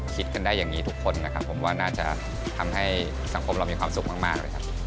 คิดกันได้อย่างนี้ทุกคนนะครับผมว่าน่าจะทำให้สังคมเรามีความสุขมากเลยครับ